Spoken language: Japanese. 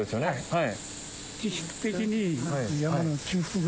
はい。